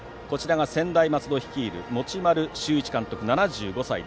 専大松戸を率いるのは持丸修一監督、７５歳。